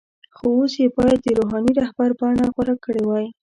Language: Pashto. خو اوس یې باید د “روحاني رهبر” بڼه غوره کړې وای.